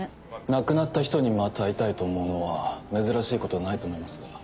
亡くなった人にまた会いたいと思うのは珍しいことではないと思いますが。